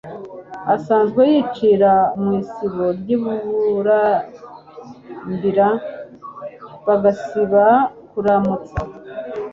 Asanzwe yicira mu isibo n'i Burambira bagasiba kuramutsa